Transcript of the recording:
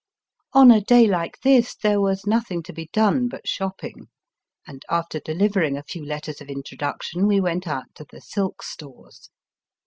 On a day like this there was nothing to be done but shopping, and after delivering a few letters of introduction we went out to the silk stores.